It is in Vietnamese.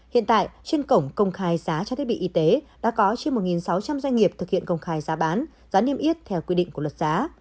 hiện tại trên cổng công khai giá thiết bị y tế đã có trên một sáu trăm linh doanh nghiệp thực hiện công khai giá bán giá niêm yết theo quy định của luật giá